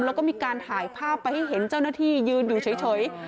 แล้วก็มีการถ่ายภาพไปให้เห็นเจ้าหน้าที่ยืนอยู่เฉย